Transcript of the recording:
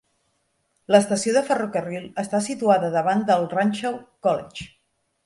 L'estació de ferrocarril està situada davant del Runshaw College.